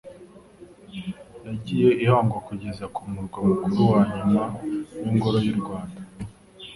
yagiye ihangwa kugeza ku murwa mukuru wa nyuma w'ingoma y'u Rwanda